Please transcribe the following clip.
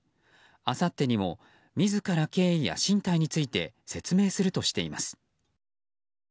あさってにも自ら経緯や進退について説明するとしています。